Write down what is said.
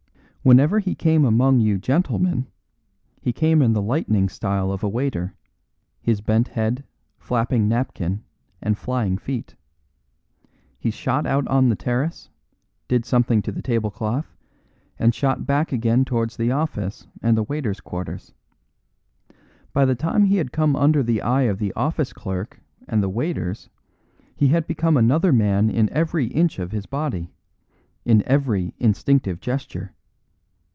Whenever he came among you gentlemen, he came in the lightning style of a waiter, with bent head, flapping napkin and flying feet. He shot out on to the terrace, did something to the table cloth, and shot back again towards the office and the waiters' quarters. By the time he had come under the eye of the office clerk and the waiters he had become another man in every inch of his body, in every instinctive gesture.